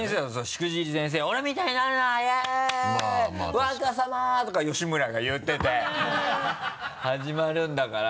「若様」とか吉村が言ってて始まるんだから。